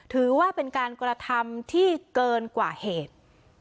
ถือว่าเป็นการกระทำที่เกินกว่าเหตุ